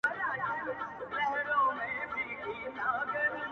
یو د بل په کور کي تل به مېلمانه وه!.